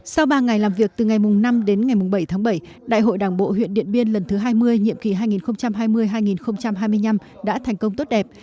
sau ba ngày làm việc từ ngày năm đến ngày bảy tháng bảy đại hội đảng bộ huyện điện biên lần thứ hai mươi nhiệm kỳ hai nghìn hai mươi hai nghìn hai mươi năm đã thành công tốt đẹp